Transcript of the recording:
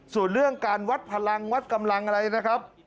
ส่วนเรื่องการวัดพลังวัดกำลังอะไรนะครับ